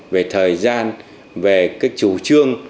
về thời gian về cái chủ trương